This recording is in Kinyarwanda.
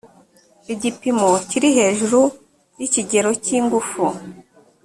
igipimo kiri hejuru y ikigero cy ingufu